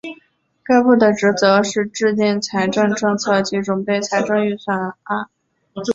该部的职责是制定财政政策及准备财政预算案。